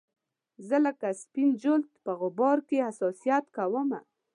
زه لکه سپین جلد په غبار کې حساسیت کومه